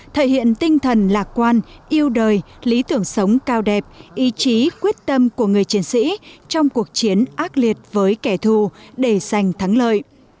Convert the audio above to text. thể hiện tinh thần lạc quan yêu đời lý tưởng sống cao đẹp ý chí quyết tâm của người chiến sĩ trong cuộc chiến ác liệt với kẻ thù để giành thắng lợi